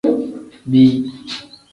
Bii.